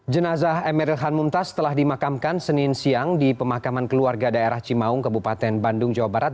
jenazah emeril han mumtaz telah dimakamkan senin siang di pemakaman keluarga daerah cimaung kabupaten bandung jawa barat